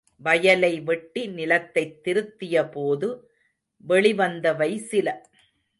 வயலை வெட்டி நிலத்தைத் திருத்தியபோது வெளிவந்தவை சில.